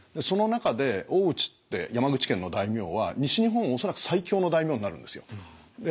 その中で大内って山口県の大名は西日本恐らく最強の大名になるんですよ。